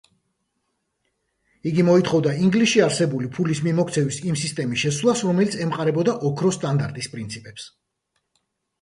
იგი მოითხოვდა ინგლისში არსებული ფულის მიმოქცევის იმ სისტემის შეცვლას, რომელიც ემყარებოდა ოქროს სტანდარტის პრინციპებს.